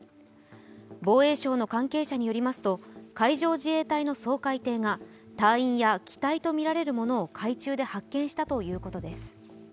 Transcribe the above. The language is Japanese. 防衛省の関係者によりますと海上自衛隊の掃海艇が、隊員や機体とみられるものを海中で発見したということです。